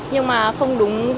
nhưng mà không đúng